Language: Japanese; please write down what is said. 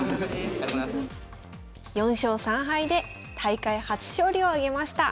４勝３敗で大会初勝利を挙げました。